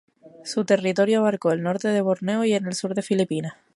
Su territorio abarcó el norte de Borneo y en el sur Filipinas.